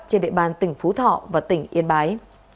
trên địa bàn tỉnh phú thọ và tỉnh yên bái